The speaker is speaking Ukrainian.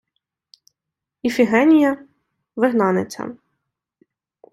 Іфігенія -— вигнаниця